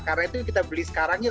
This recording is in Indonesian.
karena itu kita beli sekarang ya